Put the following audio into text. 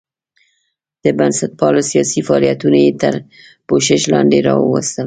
د بنسټپالو سیاسي فعالیتونه یې تر پوښښ لاندې راوستل.